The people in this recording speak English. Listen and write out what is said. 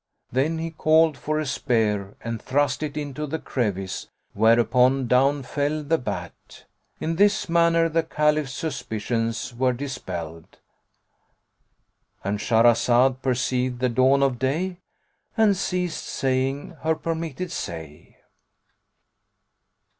Then he called for a spear and thrust it into the crevice, whereupon down fell the bat. In this manner the Caliph's suspicions were dispelled,—And Shahrazad perceived the dawn of day and ceased saying her permitted say.